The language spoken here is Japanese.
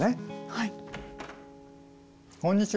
はい。